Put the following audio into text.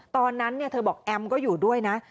ตอนนั้นเธอบอกแอมก็อยู่ด้วยนะ